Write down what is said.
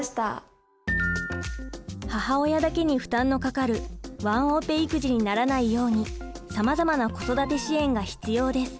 母親だけに負担のかかるワンオペ育児にならないようにさまざまな子育て支援が必要です。